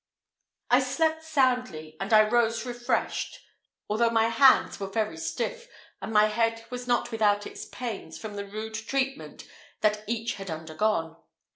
I slept soundly, and I rose refreshed, although my hands were very stiff, and my head was not without its pains from the rude treatment that each had undergone.